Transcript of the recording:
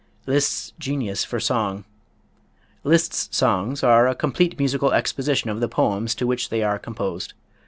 Liszt's Genius for Song. Liszt's songs are a complete musical exposition of the poems to which they are composed.